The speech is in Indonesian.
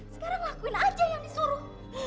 sekarang lakuin aja yang disuruh